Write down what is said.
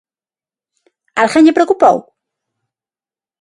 ¿A alguén lle preocupou?